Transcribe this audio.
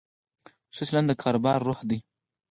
ښه چلند د کاروبار روح دی.